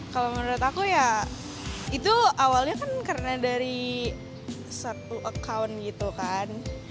kalau menurut aku ya itu awalnya kan karena dari satu account gitu kan